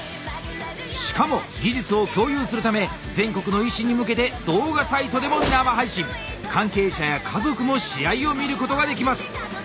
しかも技術を共有するため全国の医師に向けて関係者や家族も試合を見ることができます。